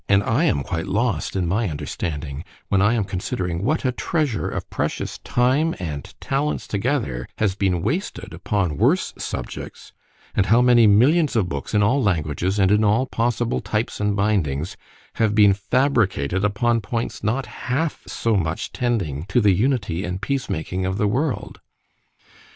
and I am quite lost in my understanding, when I am considering what a treasure of precious time and talents together has been wasted upon worse subjects—and how many millions of books in all languages and in all possible types and bindings, have been fabricated upon points not half so much tending to the unity and peace making of the world.